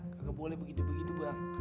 kalau boleh begitu begitu bang